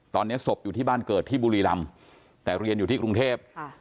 ตอนนี้ศพอยู่ที่บ้านเกิดที่บุรีรำแต่เรียนอยู่ที่กรุงเทพ